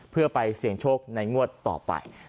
เพื่อไปเสี่ยงโชคในงวดต่อไป